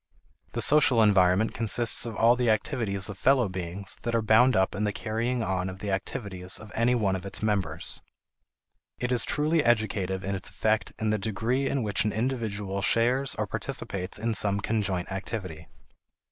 The social environment consists of all the activities of fellow beings that are bound up in the carrying on of the activities of any one of its members. It is truly educative in its effect in the degree in which an individual shares or participates in some conjoint activity.